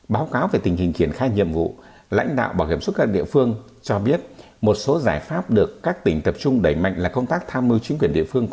báo cáo về tình hình triển khai nhiệm vụ lãnh đạo bảo hiểm xuất các địa phương cho biết một số giải pháp được các tỉnh tập trung đẩy mạnh là công tác tham mưu chính quyền địa phương